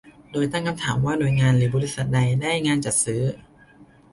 โดยตั้งคำถามว่าหน่วยงานหรือบริษัทใดได้งานจัดซื้อ